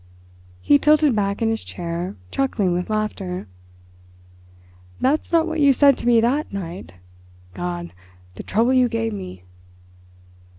He tilted back in his chair, chuckling with laughter. "That's not what you said to me that night. God, the trouble you gave me!"